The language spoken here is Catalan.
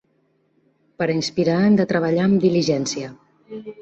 Per a inspirar hem de treballar amb diligència.